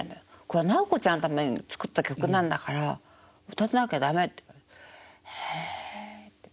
これはナオコちゃんのために作った曲なんだから歌わなきゃ駄目って言われて。